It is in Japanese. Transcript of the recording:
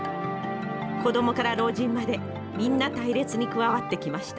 子どもから老人までみんな隊列に加わってきました。